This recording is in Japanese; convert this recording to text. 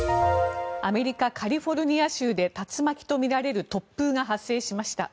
アメリカ・カリフォルニア州で竜巻とみられる突風が発生しました。